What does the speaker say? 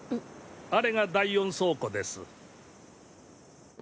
あれが第４倉庫です。